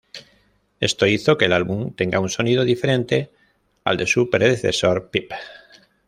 Esto hizo que el álbum tenga un sonido diferente al de su predecesor Peep.